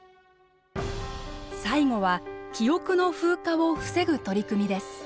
最後は記憶の風化を防ぐ取り組みです。